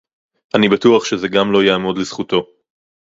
אני בטוח שזה גם לא יעמוד לזכותו